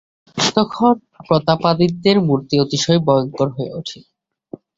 তখন প্রতাপাদিত্যের মূর্তি অতিশয় ভয়ংকর হইয়া উঠিল।